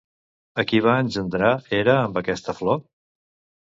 A qui va engendrar Hera amb aquesta flor?